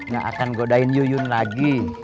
yang akan godain yuyun lagi